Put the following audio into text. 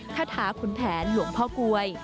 คาถาขุนแผนหลวงพ่อกลวย